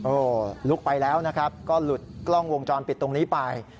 ลุกไปแล้วนะครับก็หลุดกล้องวงจรปิดตรงนี้ไป